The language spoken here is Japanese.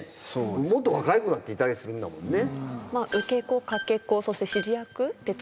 もっと若い子だっていたりするんだもんね。